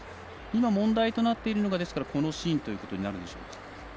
今、問題となっているのがこのシーンとなるでしょうか。